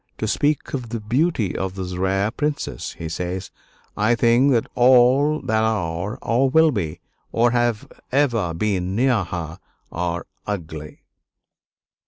"To speak of the beauty of this rare princess," he says, "I think that all that are, or will be, or have ever been near her are ugly."